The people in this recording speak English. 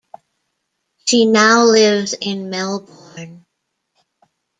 She now lives in Melbourne.